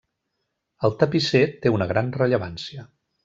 El tapisser té una gran rellevància.